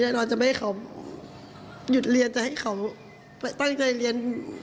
เราจะไม่ให้เขาหยุดเรียนจะให้เขาตั้งใจเรียน